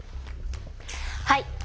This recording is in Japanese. はい。